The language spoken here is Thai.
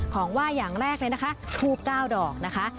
ของไหว้อย่างแรกเลยนะคะทูบ๙ดอกนะคะ